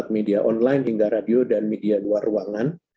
dua puluh empat media online hingga radio dan media luar ruangan